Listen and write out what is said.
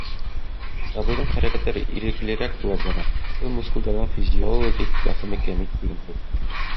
Сабыйҙың хәрәкәттәре иреклерәк була бара, был мускулдарҙың физиологик баҫымы кәмей тигән һүҙ.